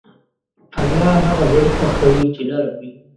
الله هغه زړه خوښوي چې نرم وي.